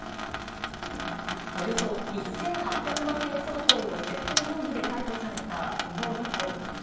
およそ１８００万円相当の窃盗容疑で逮捕された、この男。